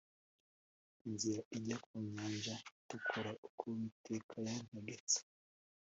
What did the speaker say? nzira ijya ku Nyanja Itukura uko Uwiteka yantegetse